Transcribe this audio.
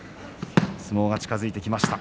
相撲が近づいてきました。